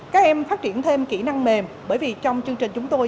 các em phát triển thêm kỹ năng mềm bởi vì trong chương trình chúng tôi